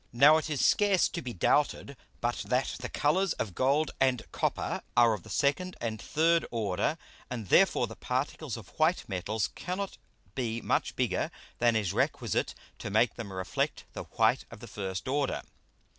Now it is scarce to be doubted but that the Colours of Gold and Copper are of the second and third order, and therefore the Particles of white Metals cannot be much bigger than is requisite to make them reflect the white of the first order.